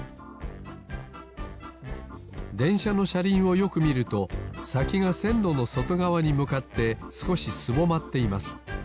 でんしゃのしゃりんをよくみるとさきがせんろのそとがわにむかってすこしすぼまっています。